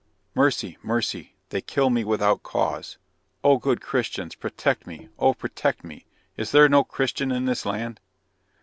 (Mercy, mercy, they kill me without cause. Oh, good Christians, protect me. Oh, protect me. Is there no Christian in this land?)